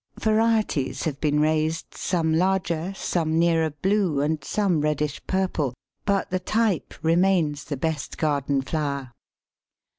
Varieties have been raised, some larger, some nearer blue, and some reddish purple, but the type remains the best garden flower.